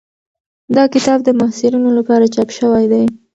دا کتاب د محصلینو لپاره چاپ شوی دی.